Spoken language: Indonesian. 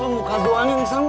muka gue aneh misalnya